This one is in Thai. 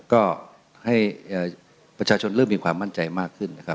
ก็ให้ประชาชนเริ่มมีความมั่นใจมากขึ้นนะครับ